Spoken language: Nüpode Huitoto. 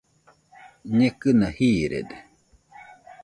Ñekɨna jiiride